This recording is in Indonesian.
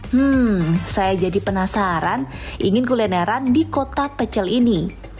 hmm saya jadi penasaran ingin kulineran di kota pecel ini